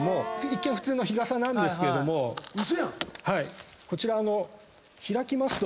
一見普通の日傘なんですけれどもこちら開きますと。